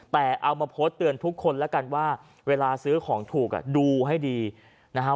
แต่เอามาโพสต์เตือนทุกคนแล้วกันว่าเวลาซื้อของถูกอ่ะดูให้ดีนะฮะ